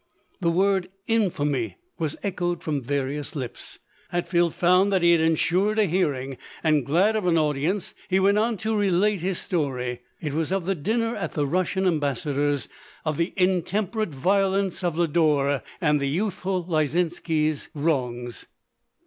The word " infamy" was echoed from various lips. Hatfield found that lie had insured a hearing, and, glad of an audience, he went on to relate his story — it was of the dinner at the Russian Ambassador's — of the intemperate violence of Lodore — and the youthful Lyzinski's wrongs.